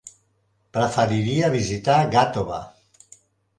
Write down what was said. Preferiria visitar Gàtova.